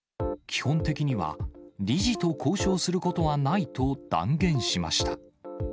基本的には、理事と交渉することはないと断言しました。